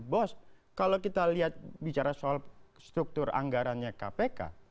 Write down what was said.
bos kalau kita lihat bicara soal struktur anggarannya kpk